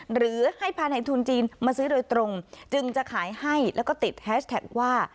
หรือให้พาในทุนจีนมาซื้อโดยตรงจึงจะขายให้แล้วก็ติดแฮชแท็กว่า